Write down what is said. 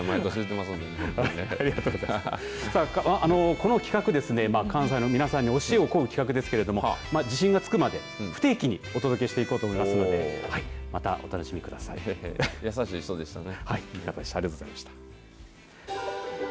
この企画ですね関西の皆さんに教えをこう企画ですけど自信がつくまで不定期にお届けしていこうと思いますので優しい人でしたね。